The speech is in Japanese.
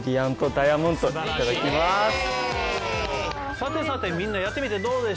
さてさてみんなやってみてどうでした？